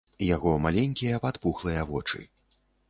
Яго маленькія падпухлыя вочы.